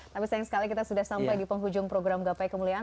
tapi sayang sekali kita sudah sampai di penghujung program gapai kemuliaan